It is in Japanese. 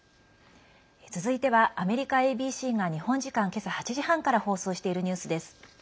続いてはアメリカＡＢＣが日本時間、今朝８時半から放送しているニュースです。